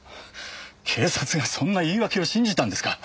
警察がそんな言い訳を信じたんですか？